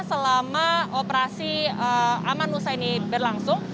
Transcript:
selama operasi aman nusa ini berlangsung